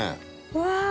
うわ！